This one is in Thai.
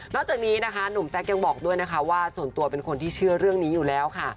จากนี้นะคะหนุ่มแซคยังบอกด้วยนะคะว่าส่วนตัวเป็นคนที่เชื่อเรื่องนี้อยู่แล้วค่ะ